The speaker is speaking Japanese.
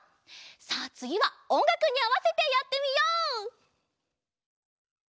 さあつぎはおんがくにあわせてやってみよう！